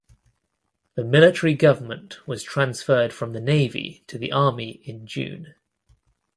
The military government was transferred from the navy to the army in June.